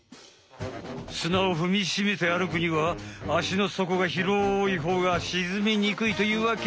すなをふみしめてあるくには足のそこがひろいほうがしずみにくいというわけ。